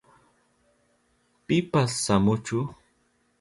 Pipas shamuchu.